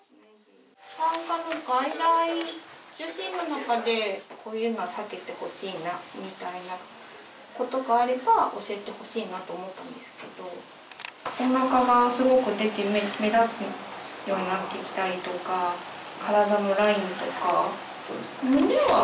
産科の外来受診の中でこういうのは避けてほしいなみたいなことがあれば教えてほしいなと思ったんですけどおなかがすごく出て目立つようになってきたりとか体のラインとか胸は？